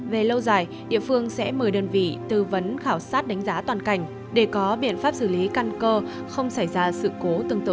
về lâu dài địa phương sẽ mời đơn vị tư vấn khảo sát đánh giá toàn cảnh để có biện pháp xử lý căn cơ không xảy ra sự cố tương tự